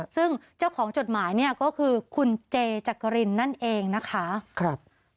ซึ่งเจ้าของจดหมายเนี่ยก็คือคุณเจจักรินนั่นเองนะคะครับ